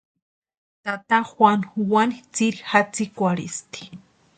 Tata Juanu wani tsiri jatsikwarhisti.